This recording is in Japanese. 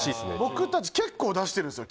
僕たち結構出してるんですよ